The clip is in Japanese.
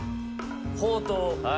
ほうとう